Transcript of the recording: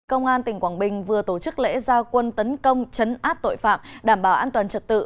công an tỉnh quảng bình vừa tổ chức lễ gia quân tấn công chấn áp tội phạm đảm bảo an toàn trật tự